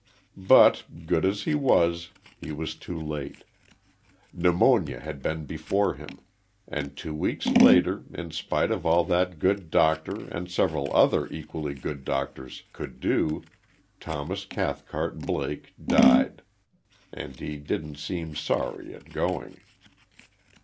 But, good as he was, he was too late. Pneumonia had been before him; and, two weeks later, in spite of all that the good doctor, and several other equally good doctors, could do, Thomas Cathcart Blake died. And he didn't seem sorry at going.